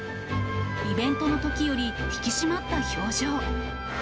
イベントのときより引き締まった表情。